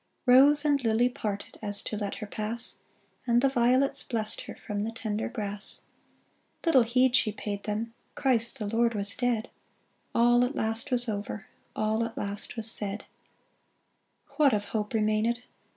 Rose and lily parted As to let her pass, And the violets blessed her From the tender grass. Little heed she paid them ; Christ, the Lord, was dead ; All at last was over. All at last was said. 406 DAYBREAK What of hope remained